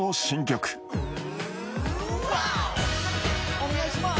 お願いします！